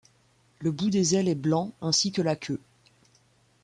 Le bout des ailes est blanc, ainsi que la queue.